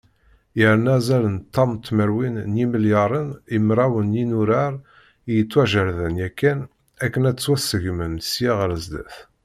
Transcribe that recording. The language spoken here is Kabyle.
Nerna azal n ṭam tmerwin n yimelyaren i mraw n yinurar i yettwajerden yakan akken ad ttwaṣegmen sya ɣar sdat.